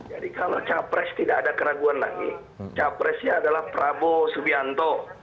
jadi kalau capres tidak ada keraguan lagi capresnya adalah prabowo subianto